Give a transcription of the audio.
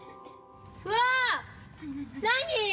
うわー、何？